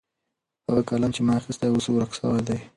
هغه قلم چې ما اخیستی و اوس ورک سوی دی.